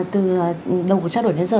từ đầu của cháu đổi đến giờ